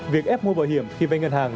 việc ép mua bảo hiểm khi vay ngân hàng